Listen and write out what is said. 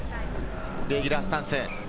レギュラースタンス。